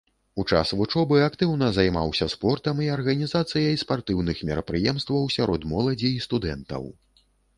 У час вучобы актыўна займаўся спортам і арганізацыяй спартыўных мерапрыемстваў сярод моладзі і студэнтаў.